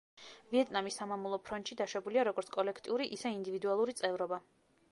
ვიეტნამის სამამულო ფრონტში დაშვებულია როგორც კოლექტიური, ისე ინდივიდუალური წევრობა.